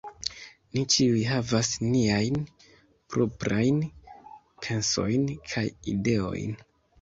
Ni ĉiuj havas niajn proprajn pensojn kaj ideojn.